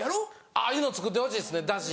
ああいうの作ってほしいですねダシ。